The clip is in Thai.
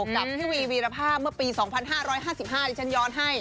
กับพี่วีวีรภาพเมื่อปี๒๕๕๕ที่ฉันย้อนให้